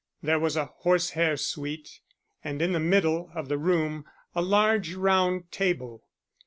There was a horsehair suite, and in the middle of the room a large round table.